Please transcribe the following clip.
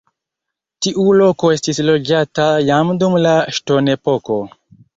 Tiu loko estis loĝata jam dum la ŝtonepoko.